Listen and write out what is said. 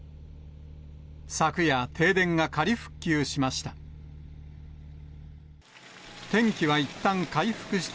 昨夜、停電が仮復旧しました。